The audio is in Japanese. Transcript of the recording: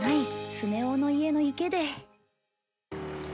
スネ夫の家の池で。